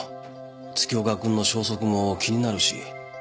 月岡君の消息も気になるし。